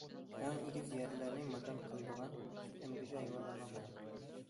ئەڭ ئېگىز يەرلەرنى ماكان قىلىدىغان سۈت ئەمگۈچى ھايۋانلارنىڭ بىرى.